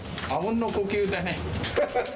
あうんの呼吸だね。